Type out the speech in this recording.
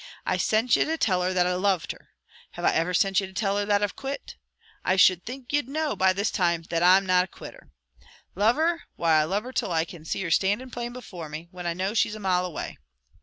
I sent ye to tell her that I loved her; have I ever sent ye to tell her that I've quit? I should think you'd know, by this time, that I'm na quitter. Love her! Why, I love her till I can see her standin' plain before me, when I know she's a mile away.